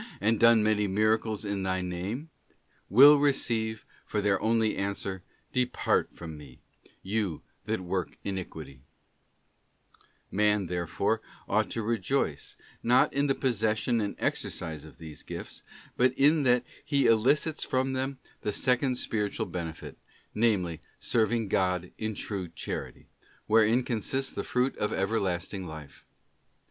and done many miracles in Thy name?' will receive for their only answer: ' Depart from Me, you that work iniquity.'t Man, therefore, ought to rejoice, not in the possession and exercise of these gifts, but in that he elicits from them the * 1 Cor, xiii. 1, 2. + S. Matt. vii. 22, 23. oe SELF LOVE IN GRACES GRATIS DATZ. 285 second spiritual benefit, namely, serving God in true Charity, wherein consists the fruit of everlasting life.